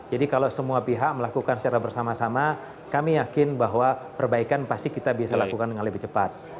jadi kalau semua pihak melakukan secara bersama sama kami yakin bahwa perbaikan pasti kita bisa lakukan dengan lebih cepat